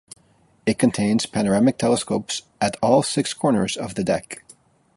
It contains panoramic telescopes at all six corners of the deck.